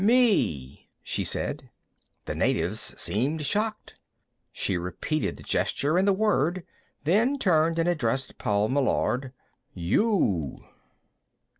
"Me," she said. The natives seemed shocked. She repeated the gesture and the word, then turned and addressed Paul Meillard. "You."